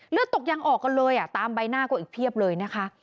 เลือดตกยังออกกันเลยอ่ะตามใบหน้าก็อีกเพียบเลยนะคะ